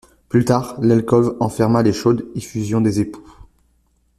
Plus tard, l'alcôve enferma les chaudes effusions des époux.